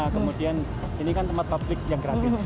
kemudian ini kan tempat publik yang gratis